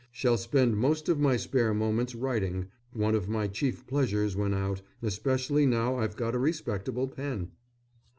Shall spend most of my spare moments writing one of my chief pleasures when out, especially now I've got a respectable pen!